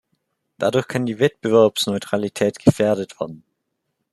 Dadurch kann die Wettbewerbsneutralität gefährdet werden.